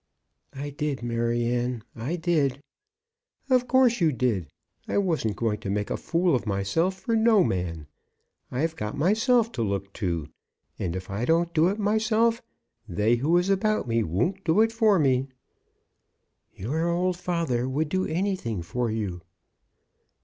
"I did, Maryanne; I did." "Of course you did. I wasn't going to make a fool of myself for no man. I have got myself to look to; and if I don't do it myself, they who is about me won't do it for me." "Your old father would do anything for you."